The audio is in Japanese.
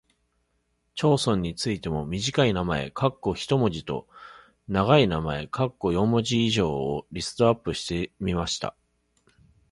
町村についても短い名前（一文字）と長い名前（四文字以上）をリストアップしてみました。